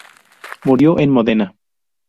Murió en Módena.